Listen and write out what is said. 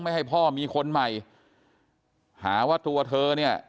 ให้พ่อมีคนใหม่หาว่าตัวเธอเนี่ย